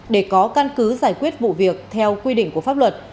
để có căn cứ giải quyết vụ việc theo quy định của pháp luật